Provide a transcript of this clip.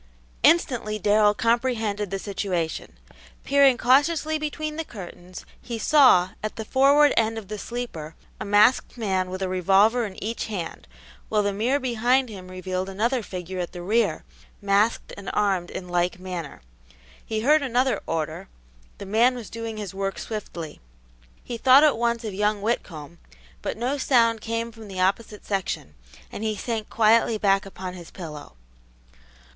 Instantly Darrell comprehended the situation. Peering cautiously between the curtains, he saw, at the forward end of the sleeper, a masked man with a revolver in each hand, while the mirror behind him revealed another figure at the rear, masked and armed in like manner. He heard another order; the man was doing his work swiftly. He thought at once of young Whitcomb, but no sound came from the opposite section, and he sank quietly back upon his pillow.